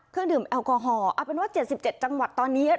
เพิ่งดื่มแอลกอฮอล์เอาเป็นว่าเจ็ดสิบเจ็ดจังหวัดตอนนี้